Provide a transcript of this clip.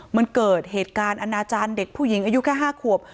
มันเกิดเหตุการณ์อนาจารย์เด็กผู้หญิงอายุแค่๕ขวบ